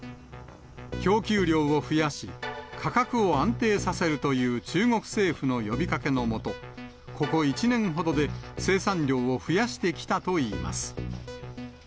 供給量を増やし、価格を安定させるという中国政府の呼びかけの下、ここ１年ほどで生産量を増やしてきたといいます。